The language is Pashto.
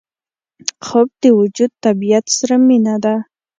خوب د وجود طبیعت سره مینه ده